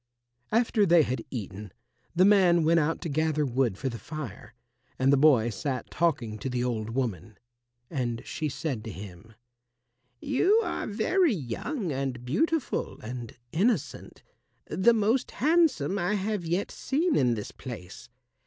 After they had eaten, the man went out to gather wood for the fire, and the boy sat talking to the old woman. And she said to him, "You are very young and beautiful and innocent the most handsome I have yet seen in this place.